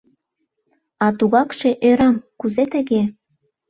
А тугакше ӧрам, кузе тыге?